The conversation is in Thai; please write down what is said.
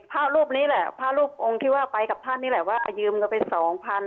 พระรูปนี้แหละพระรูปองค์ที่ว่าไปกับท่านนี่แหละว่ายืมเงินไปสองพัน